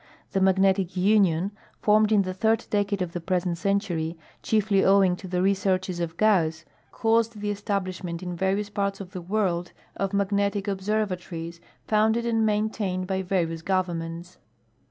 The Mag netic Union, fonned in the third decade of the present century, chiefly owing to the researches of Gauss, cau.sed the establishment in various j»arts of the world of magnetic observatories, founded and maintained by various governments.